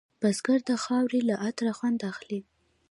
بزګر د خاورې له عطره خوند اخلي